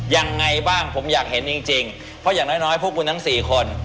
ยังไงบ้างผมอยากเห็นจริงเพราะอย่างน้อยพวกคุณทั้ง๔คน